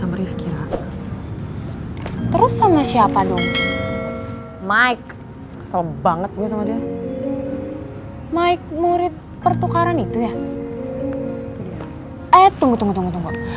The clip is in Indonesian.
eh tunggu tunggu tunggu tunggu